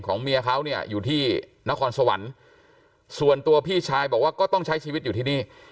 เมียเขาเนี่ยอยู่ที่นครสวรรค์ส่วนตัวพี่ชายบอกว่าก็ต้องใช้ชีวิตอยู่ที่นี่